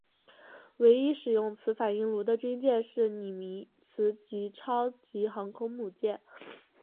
唯一使用此反应炉的军舰是尼米兹级超级航空母舰。